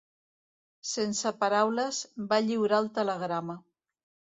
Sense paraules, va lliurar el telegrama.